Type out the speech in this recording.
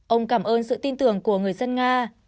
ông cảm ơn sự tin tưởng của người dân nga